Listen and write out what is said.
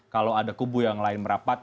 kalau ada kubu yang lain merapat